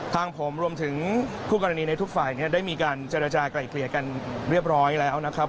ทางผมรวมถึงคู่กรณีในทุกฝ่ายได้มีการเจรจากลายเกลี่ยกันเรียบร้อยแล้วนะครับ